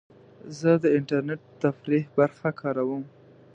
زه د انټرنیټ د تفریح برخه کاروم.